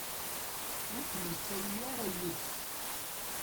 Ur kem-yettawi ara yid-s